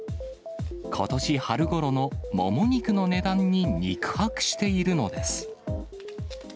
ことし春ごろのもも肉の値段に肉薄しているのです。